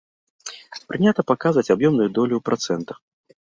Прынята паказваць аб'ёмную долю ў працэнтах.